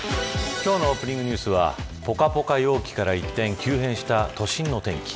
今日のオープニングニュースはぽかぽか陽気から一転急変した今年の天気。